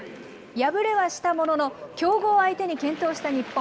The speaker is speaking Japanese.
敗れはしたものの、強豪相手に健闘した日本。